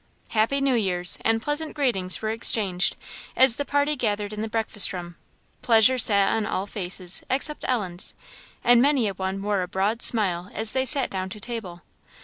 "Happy New Years" and pleasant greetings were exchanged, as the party gathered in the breakfast room; pleasure sat on all faces, except Ellen's, and many a one wore a broad smile as they sat down to table.